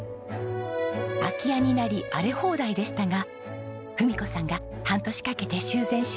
空き家になり荒れ放題でしたが文子さんが半年かけて修繕しました。